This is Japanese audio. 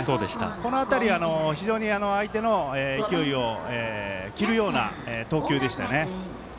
この辺り、非常に相手の勢いを切るような投球でしたね。